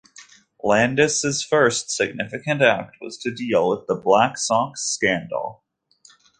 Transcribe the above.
Landis's first significant act was to deal with the Black Sox scandal.